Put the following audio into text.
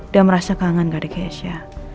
dan merasa kangen gak ada keisha